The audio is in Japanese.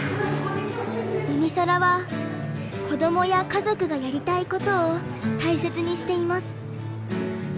うみそらは子どもや家族がやりたいことを大切にしています。